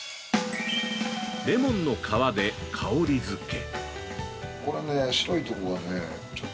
レモンの皮で香り付け。